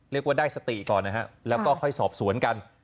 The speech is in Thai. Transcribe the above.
เรียกว่าได้สติก่อนนะครับแล้วก็ค่อยสอบสวนกัน